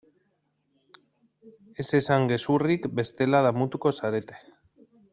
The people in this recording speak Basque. Ez esan gezurrik bestela damutuko zarete.